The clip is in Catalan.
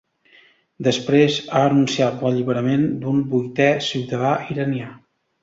Després, ha anunciat l’alliberament d’un vuitè ciutadà iranià.